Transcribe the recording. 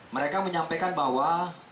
mereka menyampaikan bahwa